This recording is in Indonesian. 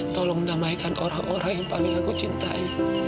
tolong damaikan orang orang yang paling aku cintai